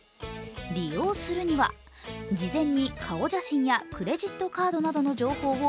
利用するには事前に顔写真やクレジットカードなどの情報を